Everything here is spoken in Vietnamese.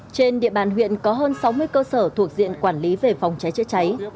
trên địa bàn huyện có hơn sáu mươi cơ sở thuộc diện quản lý về phòng cháy chữa cháy